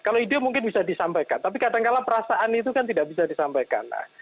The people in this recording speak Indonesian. kalau ide mungkin bisa disampaikan tapi kadangkala perasaan itu kan tidak bisa disampaikan